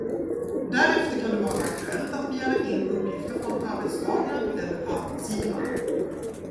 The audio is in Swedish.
Därefter kan det vara aktuellt att begära in uppgifter från arbetstagaren eller arbetsgivaren.